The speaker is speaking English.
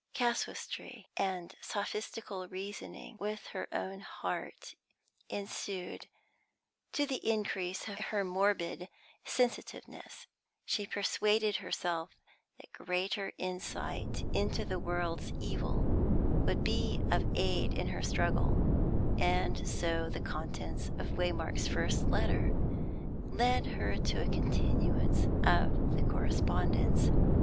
Casuistry and sophistical reasoning with her own heart ensued, to the increase of her morbid sensitiveness; she persuaded herself that greater insight into the world's evil would be of aid in her struggle, and so the contents of Waymark's first letter led her to a continuance of the correspondence.